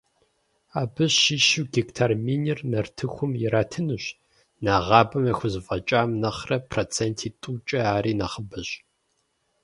Абы щыщу гектар минир нартыхум иратынущ, нэгъабэм яхузэфӀэкӀам нэхърэ проценти тӀукӀэ ари нэхъыбэщ.